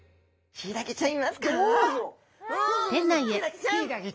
ヒイラギちゃん！